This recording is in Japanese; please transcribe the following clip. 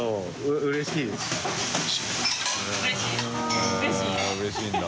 悄舛うれしいんだ。